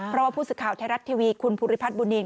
เพราะว่าผู้สื่อข่าวไทยรัฐทีวีคุณภูริพัฒนบุญนิน